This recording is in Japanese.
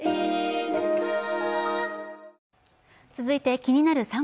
続いて「気になる！